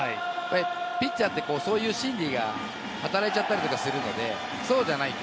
ピッチャーってそういう心理が働いちゃったりとかするので、そうじゃないと。